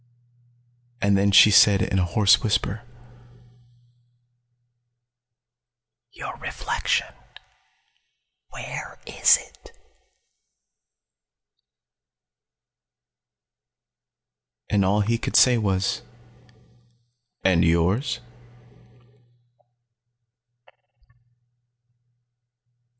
And then she said in a hoarse whisper: "Your reflection where is it?" And all he could say was: "And yours?"